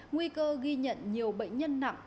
nguy cơ ghi nhận nhiều bệnh nhân nặng